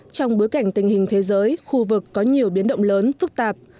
trong bối cảnh tình hình thế giới khu vực có nhiều biến động lớn phức tạp